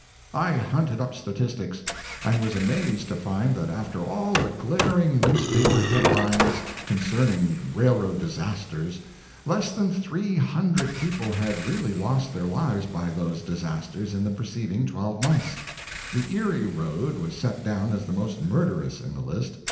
I hunted up statistics, and was amazed to find that after all the glaring newspaper headlines concerning railroad disasters, less than three hundred people had really lost their lives by those disasters in the preceding twelve months. The Erie road was set down as the most murderous in the list.